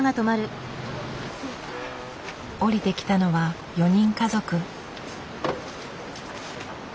降りてきたのは４人家族。